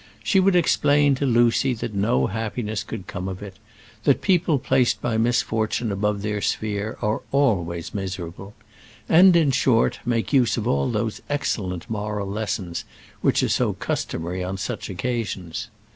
She would explain to Lucy that no happiness could come of it, that people placed by misfortune above their sphere are always miserable; and, in short, make use of all those excellent moral lessons which are so customary on such occasions.